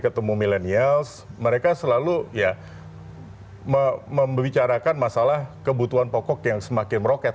ketemu milenials mereka selalu ya membicarakan masalah kebutuhan pokok yang semakin meroket